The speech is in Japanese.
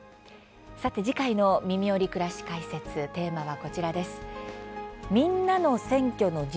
さて次回の「みみより！くらし解説」テーマはこちらです。